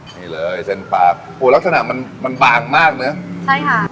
นี่เลยเส้นปากโอ้ลักษณะมันมันบางมากนะใช่ค่ะ